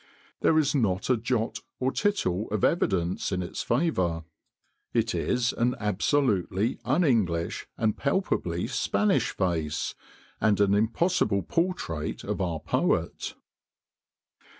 There is not a jot or tittle of evidence in its favour. It is an absolutely un English, and palpably Spanish face, and an impossible portrait of our Poet."